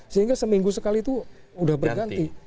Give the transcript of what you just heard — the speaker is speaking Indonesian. sehingga seminggu sekali itu sudah berganti